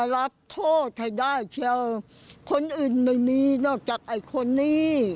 รับโทษให้ได้